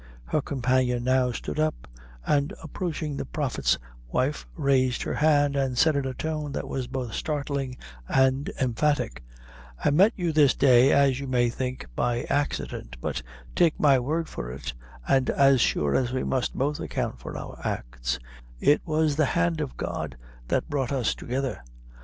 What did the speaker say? Her companion now stood up, and approaching the prophet's wife, raised her hand, and said in a tone that was both startling and emphatic "I met you this day as you may think, by accident; but take my word for it, and, as sure as we must both account for our acts, it was the hand o' God that brought us together.